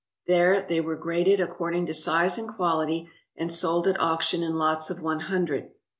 There they were graded according to size and quality, and sold at auction in lots of one hundred.